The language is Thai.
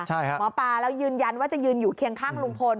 หมอปลาแล้วยืนยันว่าจะยืนอยู่เคียงข้างลุงพล